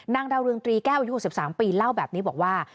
ดาวเรืองตรีแก้วอายุ๖๓ปีเล่าแบบนี้บอกว่า